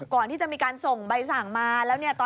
ก่อนที่จะมีการส่งใบสั่งมา